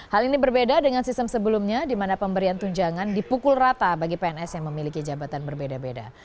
hal ini berbeda dengan sistem sebelumnya di mana pemberian tunjangan dipukul rata bagi pns yang memiliki jabatan berbeda beda